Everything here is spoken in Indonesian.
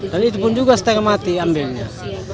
dan itu pun juga setengah mati ambilnya